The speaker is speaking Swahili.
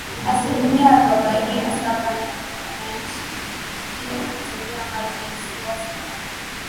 Asilimia arobaini na saba ya wananchi vijijini hutumia maji yasiyo salama